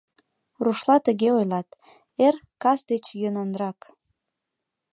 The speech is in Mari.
Рушла тыге ойлат: эр — кас деч йӧнанрак...